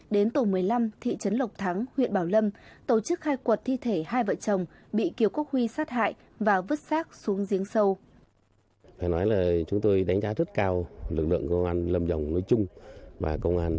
đến tổ một mươi năm thị trấn lộc thắng huyện bảo lâm tổ chức khai quật thi thể hai vợ chồng bị kiều quốc huy sát hại và vứt sát xuống giếng sâu